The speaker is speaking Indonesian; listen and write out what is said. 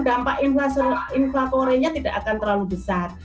dampak inflatore nya tidak akan terlalu besar